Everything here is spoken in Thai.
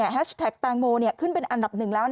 แฮชแท็กแตงโมขึ้นเป็นอันดับหนึ่งแล้ว